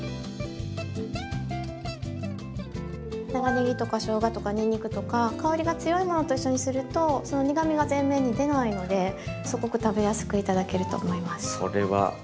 長ねぎとかしょうがとかにんにくとか香りが強いものと一緒にするとその苦みが前面に出ないのですごく食べやすく頂けると思います。